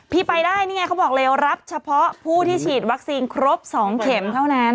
ไปได้นี่ไงเขาบอกเลยรับเฉพาะผู้ที่ฉีดวัคซีนครบ๒เข็มเท่านั้น